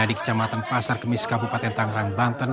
di kecamatan pasar kemis kabupaten tangerang banten